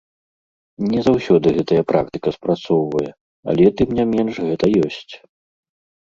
Не заўсёды гэтая практыка спрацоўвае, але, тым не менш, гэта ёсць.